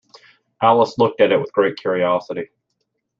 Alice looked at it with great curiosity.